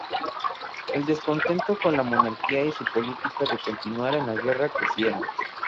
El descontento con la monarquía y su política de continuar en la Guerra crecieron.